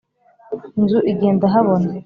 inzu igenda habona